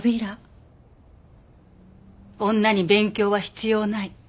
「女に勉強は必要ない」